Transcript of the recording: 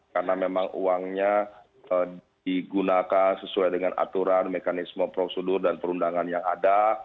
karena memang uangnya digunakan sesuai dengan aturan mekanisme prosedur dan perundangan yang ada